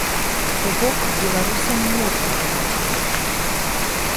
То бок, беларусам можна даваць грошы.